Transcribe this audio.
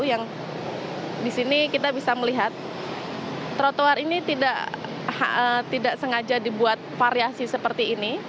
yang di sini kita bisa melihat trotoar ini tidak sengaja dibuat variasi seperti ini